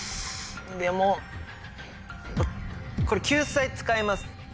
これ救済使います。